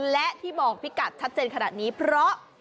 และที่บอกพี่กัดชัดเจนขนาดนี้เพราะ